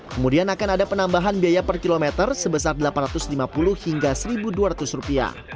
kemudian akan ada penambahan biaya per kilometer sebesar rp delapan ratus lima puluh hingga rp satu dua ratus